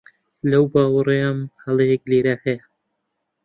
لەو باوەڕەم هەڵەیەک لێرە هەیە.